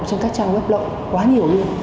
trong các trang web lộn quá nhiều